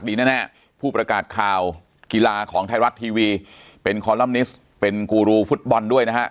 แน่ผู้ประกาศข่าวกีฬาของไทยรัฐทีวีเป็นคอลัมนิสเป็นกูรูฟุตบอลด้วยนะฮะ